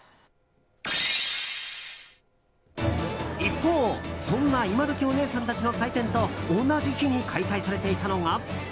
一方、そんなイマドキお姉さんたちの祭典と同じ日に開催されていたのが。